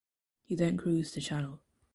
He then cruised the Channel.